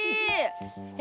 え？